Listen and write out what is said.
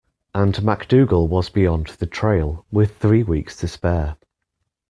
And MacDougall was beyond the trail, with three weeks to spare.